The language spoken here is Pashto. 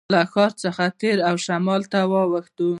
له ښار څخه تېر او شمال ته واوښتو.